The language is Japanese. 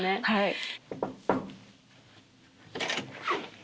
はい。